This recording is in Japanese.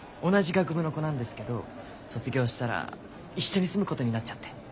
同じ学部の子なんですけど卒業したら一緒に住むことになっちゃって。